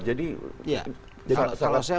jadi sangat positif